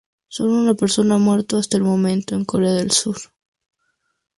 Sólo una persona ha muerto hasta el momento, en Corea del Sur.